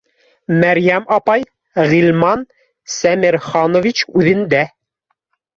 — Мәрйәм апай, Ғилман Сәмерханович үҙендә